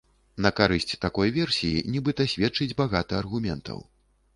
На карысць такой версіі нібыта сведчыць багата аргументаў.